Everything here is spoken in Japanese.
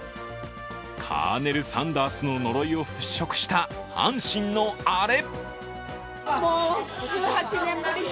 カーネル・サンダースの呪いを払拭した阪神のアレ。